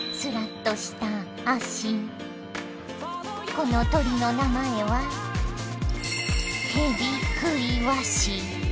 この鳥の名前はヘビクイワシ。